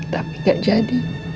tapi gak jadi